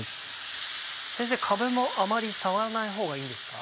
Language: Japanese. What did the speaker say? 先生かぶもあまり触らないほうがいいんですか？